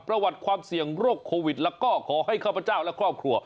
ประวัติความเสี่ยงโรคโควิดแล้วก็ขอให้ข้าพเจ้าและครอบครัว